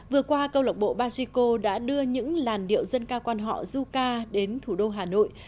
vừa qua câu lạc bộ bajiko đã đưa những làn điệu dân ca quan họ zuka đến thủ đô hà nội